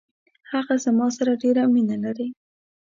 هغه زما سره ډیره مینه لري.